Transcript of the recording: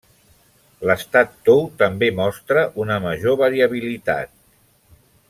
L'estat tou també mostra una major variabilitat.